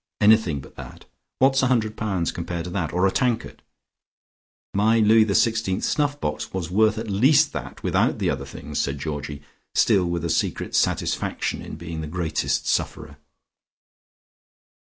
Anything but that. What's a hundred pounds compared to that, or a tankard " "My Louis XVI snuff box was worth at least that without the other things," said Georgie, still with a secret satisfaction in being the greatest sufferer.